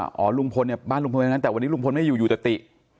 อ๋อบ้านลุงพนศ์ไปทางนั้นแต่วันนี้ลุงพนศ์ไม่อยู่อยู่ตะติ